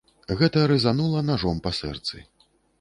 Гэта разанула нажом па сэрцы.